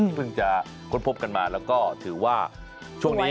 เพิ่งจะค้นพบกันมาแล้วก็ถือว่าช่วงนี้